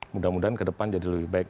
mudah mudahan ke depan jadi lebih baik